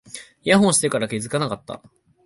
イヤホンしてるから気がつかなかった